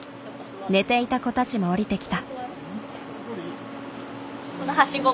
寝ていた子たちも降りてきた。